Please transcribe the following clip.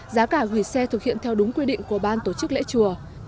giá cả gửi xe thực hiện theo đúng quy định của ban tổ chức lễ chùa